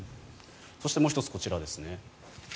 そしてもう１つこちらです。